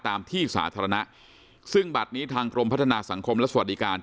ตามที่สาธารณะซึ่งบัตรนี้ทางกรมพัฒนาสังคมและสวัสดิการ